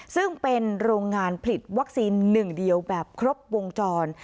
ซึ่งเป็นโรงงานผลิตวัคซีนหนึ่งเดียวแบบครบวงจร